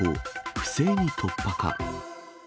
不正に突破か。